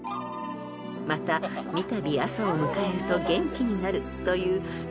［また三度朝を迎えると元気になるという］